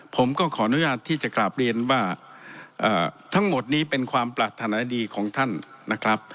ผมก็ขออนุญาตที่จะกราบเรียนว่าทั้งหมดนี้เป็นความปรารถนาดีของท่านนะครับ